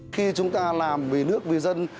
khi chúng ta làm với nước với dân